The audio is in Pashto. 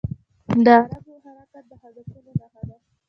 • د عقربو حرکت د هدفونو نښه ده.